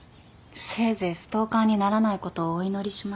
せいぜいストーカーにならないことをお祈りします。